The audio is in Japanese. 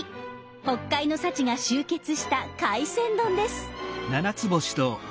北海の幸が集結した海鮮丼です。